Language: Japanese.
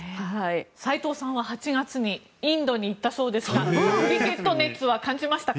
斎藤さんは８月にインドに行ったそうですがクリケット熱は感じましたか？